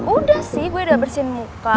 udah sih gue udah bersihin muka